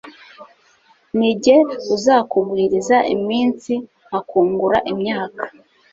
Ni jye uzakugwiriza iminsi Nkakungura imyaka